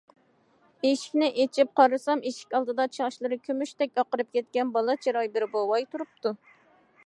ئىشىكنى ئېچىپ قارىسام، ئىشىك ئالدىدا چاچلىرى كۈمۈشتەك ئاقىرىپ كەتكەن« بالا چىراي» بىر بوۋاي تۇرۇپتۇ.